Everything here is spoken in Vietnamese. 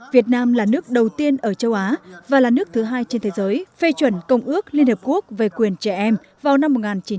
việt nam là nước đầu tiên ở châu á và là nước thứ hai trên thế giới phê chuẩn công ước liên hợp quốc về quyền trẻ em vào năm một nghìn chín trăm tám mươi